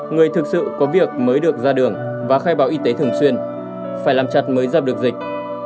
người thực sự có việc mới được ra đường và khai báo y tế thường xuyên phải làm chặt mới dập được dịch